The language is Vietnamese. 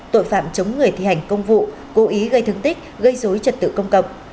tội phạm chống người thi hành công vụ cố ý gây thương tích gây dối trật tự công cộng